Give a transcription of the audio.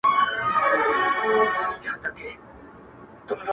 د خپل ژوند په يوه خړه آئينه کي_